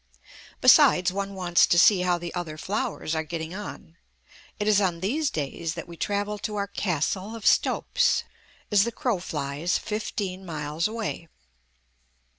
Besides, one wants to see how the other flowers are getting on. It is on these days that we travel to our Castle of Stopes; as the crow flies, fifteen miles away.